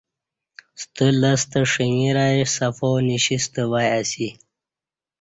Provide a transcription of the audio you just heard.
ستہ لستہ ݜݣرای صفا نشیتہ وای اسہ